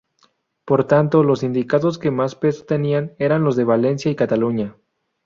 Por tanto los sindicatos que más peso tenían eran los de Valencia y Cataluña.